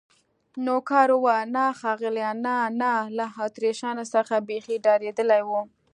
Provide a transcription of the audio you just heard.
نوکر وویل: نه ښاغلي، نه، نه، له اتریشیانو څخه بیخي ډارېدلی و.